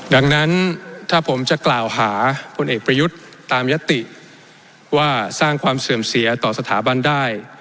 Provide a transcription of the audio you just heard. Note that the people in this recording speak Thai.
ดังนั้นถ้าผมจะกล่าวหาพลเอกประยุทธ์ตามยติว่าสร้างความเสื่อมเสียต่อสถาบันได้